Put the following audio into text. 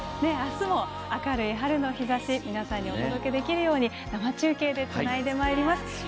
あすも、明るい「春の兆し」をお届けできるように生中継でつないでまいります。